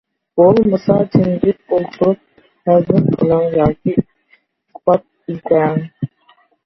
بولمىسا جىمجىت ئولتۇرۇپ ھەزىم قىلىڭ ياكى ئىسپات ئىزدەڭ.